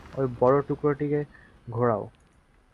ঐ বড় টুকরোটিকে ঘোরাও।